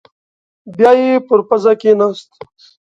بيايې پر پزه کېناست.